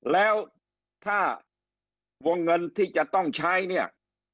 แล้วถ้าวงเงินที่จะต้องใช้เนี่ย